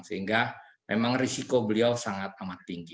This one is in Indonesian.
sehingga memang risiko beliau sangat amat tinggi